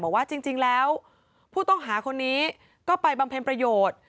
บอกว่าจริงแล้วผู้ต้องหาคนนี้ก็ไปบำเพ็ญประโยชน์